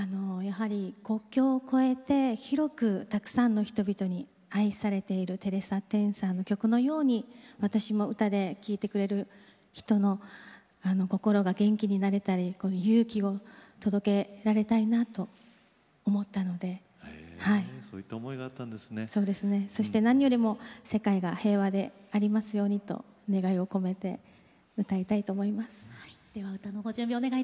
国境を超えて広くたくさんの人々に愛されているテレサ・テンさんの曲のように私の歌で聴いてくれる人の心が元気になれたり勇気を届けたいなと思ったのでそして何よりも世界が平和でありますようにという願いを込めて歌いたいと思います。